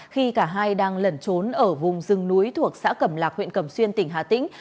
khi cả hai đang lẩn trốn ở vùng rừng núi thuộc xã cẩm lạc huyện cẩm xuyên tỉnh hà tĩnh